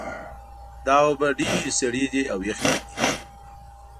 دا اوبه ډېرې سړې دي او یخې لګیږي